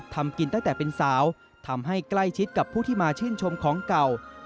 ทำกินตั้งแต่เป็นสาวทำให้ใกล้ชิดกับผู้ที่มาชื่นชมของเก่า